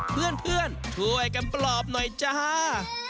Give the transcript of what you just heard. เพื่อนช่วยกันปลอบหน่อยจ้า